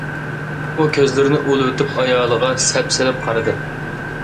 ئۇ كۆزلىرىنى ئۇۋۇلىۋېتىپ ئايالغا سەپسېلىپ قارىدى.